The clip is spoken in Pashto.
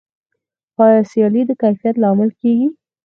آیا سیالي د کیفیت لامل کیږي؟